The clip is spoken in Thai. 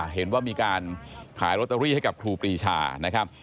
เห็นว่ามีการขายลอตเตอรี่ให้กับครูปรีชานะครับ